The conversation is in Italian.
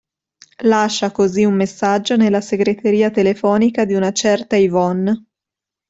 Lascia così un messaggio nella segreteria telefonica di una certa Yvonne.